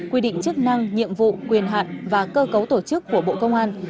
quy định chức năng nhiệm vụ quyền hạn và cơ cấu tổ chức của bộ công an